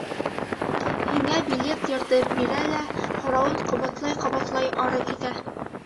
Һиңә билет йыртып бирә лә һорауын ҡабатлай-ҡабатлай ары китә.